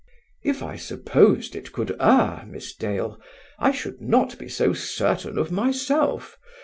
"If I supposed it could err, Miss Dale, I should not be so certain of myself.